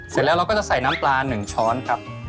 เสร็จแล้วเราก็จะใส่น้ำปลา๑ช้อนครับ